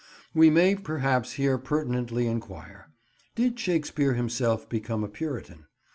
We may perhaps here pertinently inquire: Did Shakespeare himself become a Puritan?